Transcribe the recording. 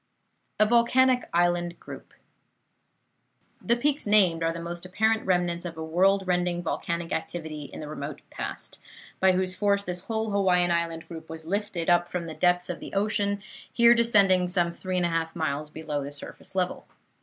A VOLCANIC ISLAND GROUP The peaks named are the most apparent remnants of a world rending volcanic activity in the remote past, by whose force this whole Hawaiian island group was lifted up from the depths of the ocean, here descending some three and a half miles below the surface level.